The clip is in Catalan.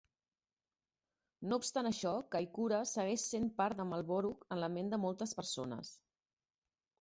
No obstant això, Kaikoura segueix sent part de Marlborough en la ment de moltes persones.